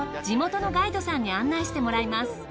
地元のガイドさんに案内してもらいます。